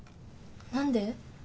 何で？